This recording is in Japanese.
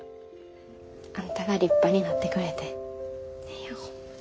あんたが立派になってくれて姉やんほんま